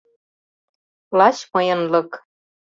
Лач мыйынлык.